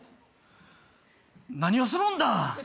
「何をするんだ！？」